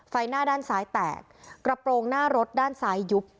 ไฟหน้าด้านซ้ายแตกกระโปรงหน้ารถด้านซ้ายยุบ